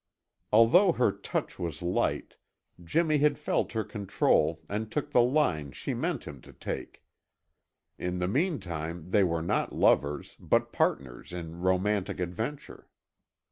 Although her touch was light, Jimmy had felt her control and took the line she meant him to take. In the meantime they were not lovers, but partners in romantic adventure.